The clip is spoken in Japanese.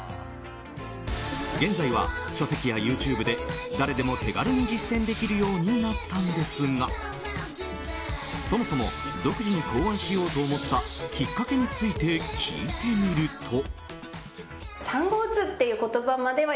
現在は書籍やＹｏｕＴｕｂｅで誰でも手軽に実践できるようになったんですがそもそも独自に考案しようと思ったきっかけについて聞いてみると。